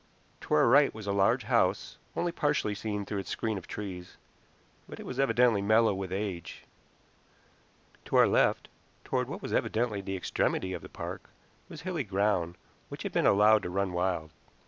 To our right was a large house, only partially seen through its screen of trees, but it was evidently mellow with age. To our left, toward what was evidently the extremity of the park, was hilly ground, which had been allowed to run wild.